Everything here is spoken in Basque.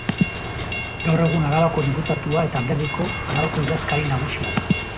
Gaur egun Arabako diputatua eta alderdiko Arabako idazkari nagusia da.